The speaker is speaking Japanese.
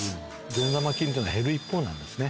善玉菌っていうのは減る一方なんですね。